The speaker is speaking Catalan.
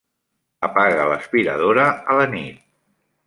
Apaga l'aspiradora a la nit.